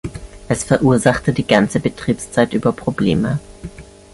Es verursachte die ganze Betriebszeit über Probleme.